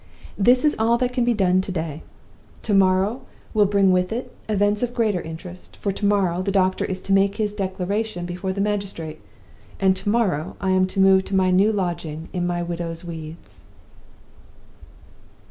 This is all that can be done to day. To morrow will bring with it events of greater interest, for to morrow the doctor is to make his Declaration before the magistrate, and to morrow I am to move to my new lodging in my widow's weeds."